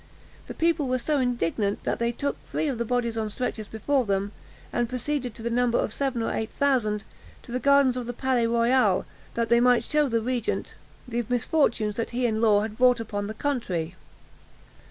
The people were so indignant that they took three of the bodies on stretchers before them, and proceeded, to the number of seven or eight thousand, to the gardens of the Palais Royal, that they might shew the regent the misfortunes that he and Law had brought upon the country.